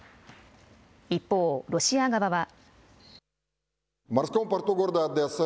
一方、ロシア側は。